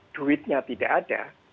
duitnya tidak ada